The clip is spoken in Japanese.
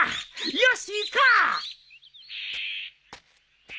よし行こう！